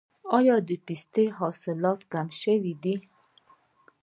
آیا د پستې حاصلات کم شوي دي؟